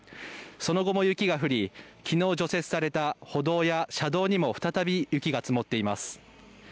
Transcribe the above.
その後も雪が降り、きのう除雪された歩道や車道にも再び雪が積もっています。